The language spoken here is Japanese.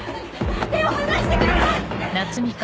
手を離してください！